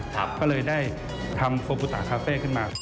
ก็เลยได้ทำโฟกุตาคาเฟ่ขึ้นมา